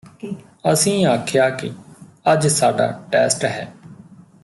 ਅਸੀਂ ਆਖਿਆ ਕਿ ਅੱਜ ਸਾਡਾ ਟੈੱਸਟ ਹੈ